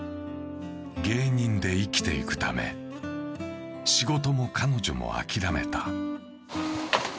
芸人で生きていくため仕事も彼女も諦めた。